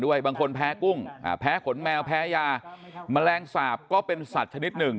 บางคนแพ้กุ้งแพ้ขนแมวแพ้ยาแมลงสาปก็เป็นสัตว์ชนิดหนึ่ง